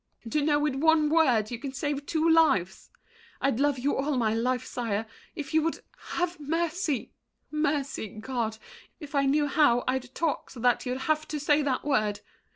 To know with one word you can save two lives! I'd love you all my life, sire, if you would Have mercy—mercy, God! If I knew how, I'd talk so that you'd have to say that word.